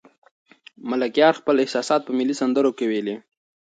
ملکیار خپل احساسات په ملي سندرو کې ویلي.